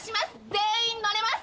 全員乗れます。